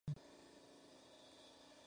Toto decide ayudarlo y juntos huyen del lugar.